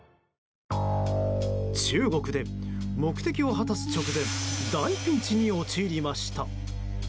中国で、目的を果たす直前大ピンチに陥りました。